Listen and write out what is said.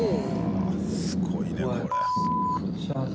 すごいねこれ。